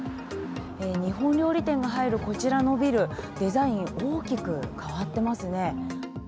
日本料理店が入るこちらのビルデザインが大きく変わっていますね。